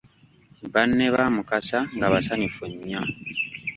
Banne ba Mukasa nga basanyufu nnyo